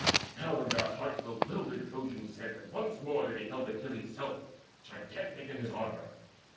Now in their hearts those wildered Trojans said That once more they beheld Achilles' self Gigantic in his armour.